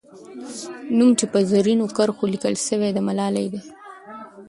نوم چې په زرینو کرښو لیکل سوی، د ملالۍ دی.